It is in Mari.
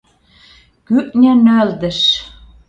— Кӱртньынӧлдыш!..